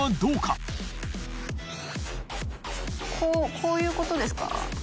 こういうことですか？